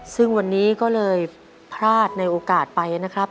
ซึ่งวันนี้ก็เลยพลาดในโอกาสไปนะครับ